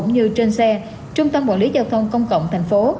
như trên xe trung tâm quản lý giao thông công cộng thành phố